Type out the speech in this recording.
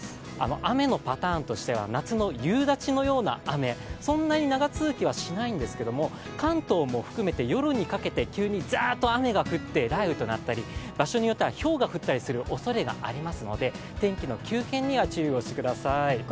雨のパターンとしては夏の夕立のような雨、そんなに長続きはしないんですけれども、関東を含めて夜にかけて、急にザーッと雨が降って、雷雨となったり場所によっては、ひょうが降ったりするおそれがありますので天気の急変には注意をしてください。